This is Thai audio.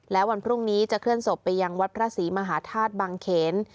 และวันพรุ่งนี้จะเคลื่อนศพไปยังวัดพระศรีมหาธาตุบังเขน